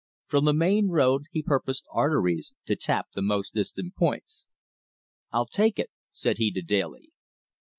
From the main road he purposed arteries to tap the most distant parts. "I'll take it," said he to Daly.